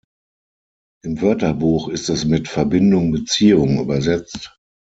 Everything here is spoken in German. Im Wörterbuch ist es mit ‚Verbindung‘, ‚Beziehung‘ übersetzt.